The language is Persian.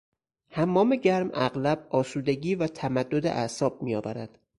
حمام گرم اغلب آسودگی و تمدد اعصاب می آورد.